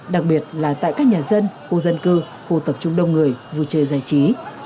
đặc biệt là tại các nhà dân khu dân cư khu tập trung đông người vui chơi giải trí